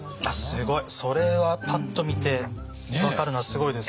すごい。それはパッと見て分かるのはすごいです。